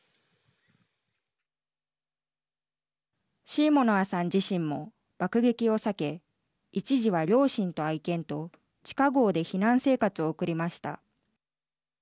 シーモノワさん自身も爆撃を避け一時は両親と愛犬と地下ごうで避難生活を送りました。